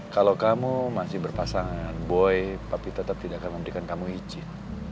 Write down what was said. kalau kamu masih berpasangan boy tapi tetap tidak akan memberikan kamu izin